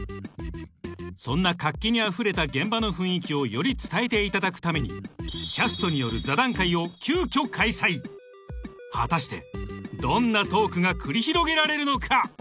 そんな活気にあふれた現場の雰囲気をより伝えていただくためにキャストによる座談会を急きょ開催果たしてどんなトークが繰り広げられるのか？